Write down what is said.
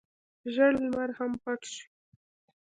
ژړ لمر هم پټ شو.